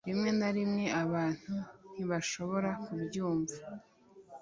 rimwe na rimwe, abantu ntibashobora kubyumva